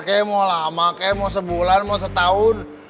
kayaknya mau lama kayaknya mau sebulan mau setahun